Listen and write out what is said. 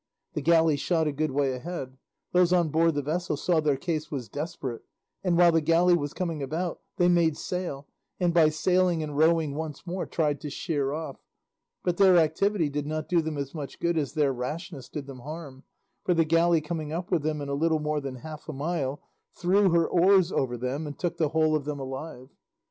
The galley shot a good way ahead; those on board the vessel saw their case was desperate, and while the galley was coming about they made sail, and by sailing and rowing once more tried to sheer off; but their activity did not do them as much good as their rashness did them harm, for the galley coming up with them in a little more than half a mile threw her oars over them and took the whole of them alive.